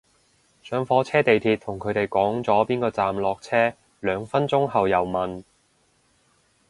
上火車地鐵同佢哋講咗邊個站落車，兩分鐘後又問